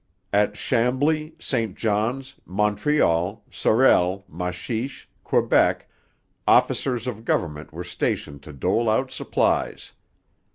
At Chambly, St Johns, Montreal, Sorel, Machiche, Quebec, officers of government were stationed to dole out supplies.